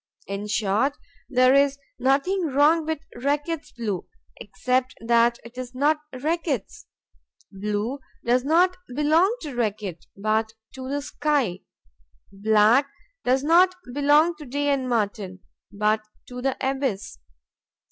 In short, there is nothing wrong with Reckitt's Blue except that it is not Reckitt's. Blue does not belong to Reckitt, but to the sky; black does not belong to Day and Martin, but to the abyss.